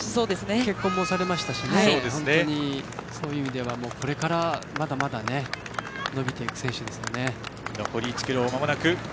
結婚もされましたしそういう意味ではこれから、まだまだ伸びていく選手ですよね。